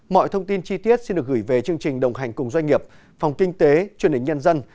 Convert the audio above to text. mọi thông tin chi tiết xin được gửi về chương trình đồng hành cùng doanh nghiệp phòng kinh tế truyền hình nhân dân